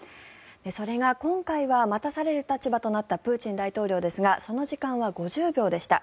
それが今回は待たされる立場となったプーチン大統領ですがその時間は５０秒でした。